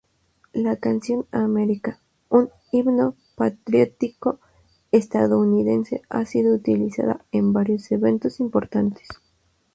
La canción "America", un himno patriótico estadounidense, ha sido utilizada en varios eventos importantes.